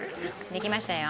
できましたよ。